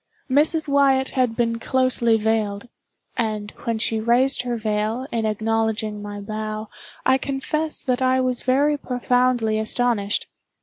Mrs. Wyatt had been closely veiled; and when she raised her veil, in acknowledging my bow, I confess that I was very profoundly astonished.